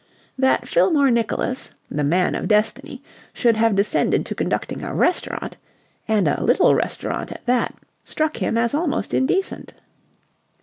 That Fillmore Nicholas, the Man of Destiny, should have descended to conducting a restaurant and a little restaurant at that struck him as almost indecent.